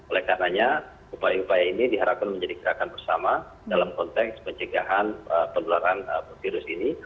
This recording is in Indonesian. oleh karenanya upaya upaya ini diharapkan menjadi gerakan bersama dalam konteks pencegahan penularan virus ini